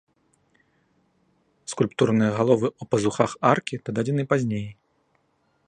Скульптурныя галовы ў пазухах аркі дададзены пазней.